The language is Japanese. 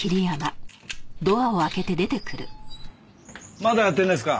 まだやってるんですか？